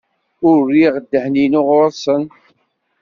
Ur rriɣ ddehn-inu ɣer-sen.